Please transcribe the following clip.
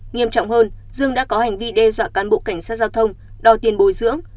nghiêm trọng hơn dương đã có hành vi đe dọa cán bộ cảnh sát giao thông đòi tiền bồi dưỡng